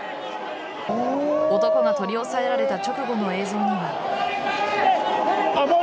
男が取り押さえられた直後の映像には。